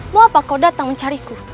mau apa kau datang mencariku